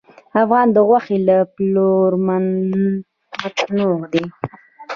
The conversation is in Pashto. افغانستان د غوښې له پلوه متنوع دی.